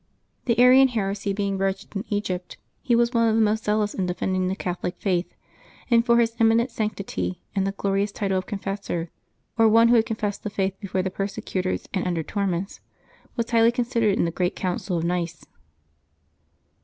The Arian heresy being broached in Eg}'pt, he was one of the most zealous in defending the Catholic faith, and for his eminent sanctity and the glorious title of confessor (or one who had confessed the Faith before the persecutors and under torments) was highly considered in the great Council of Nice.